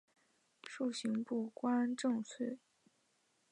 授刑部观政卒。